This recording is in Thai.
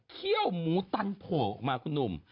เขี้ยวหมูตันโผล่ออกมาคุณหนุ่ม